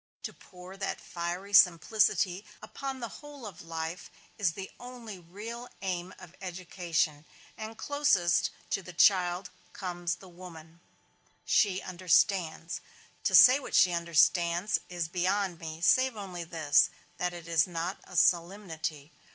To pour that fiery simplicity upon the whole of life is the only real aim of education; and closest to the child comes the woman she understands. To say what she understands is beyond me; save only this, that it is not a solemnity.